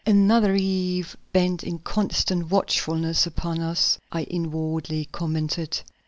"Another eve bent in constant watchfulness upon us," I inwardly commented.